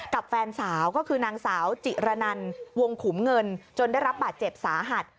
แฟนสาวก็คือนางสาวจิระนันวงขุมเงินจนได้รับบาดเจ็บสาหัส